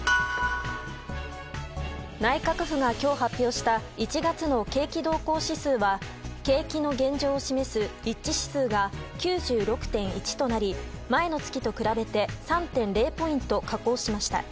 内閣府が今日発表した１月の景気動向指数は景気の現状を示す一致指数が９６．１となり前の月と比べて３．０ポイント下降しました。